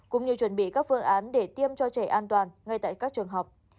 cũng như chuẩn bị các phương án để tiêm cho trẻ an toàn ngay tại các trường học